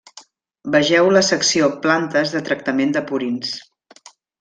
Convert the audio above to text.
Vegeu la secció Plantes de tractament de purins.